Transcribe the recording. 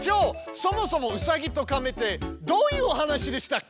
そもそも「うさぎとかめ」ってどういうお話でしたっけ？